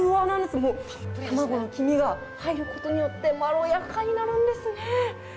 もう卵の黄身が入る事によってまろやかになるんですね。